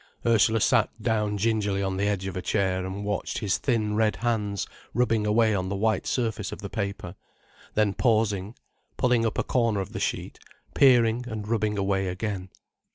Ursula sat down gingerly on the edge of a chair, and watched his thin red hands rubbing away on the white surface of the paper, then pausing, pulling up a corner of the sheet, peering, and rubbing away again.